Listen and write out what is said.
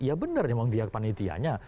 ya benar memang dia panitianya